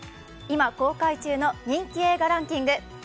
今、公開中の人気映画ランキング。